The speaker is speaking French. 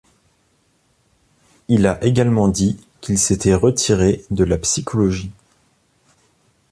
Il a également dit qu'il s'était retiré de la psychologie.